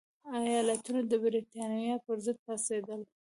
ایالتونه د برېټانویانو پرضد پاڅېدل.